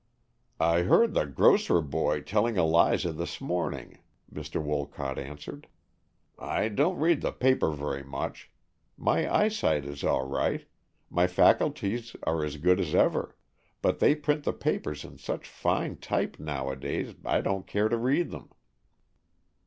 "I heard the grocer boy telling Eliza this morning," Mr. Wolcott answered. "I don't read the paper very much. My eyesight is all right, my faculties are all as good as ever, but they print the papers in such fine type nowadays, I don't care to read them."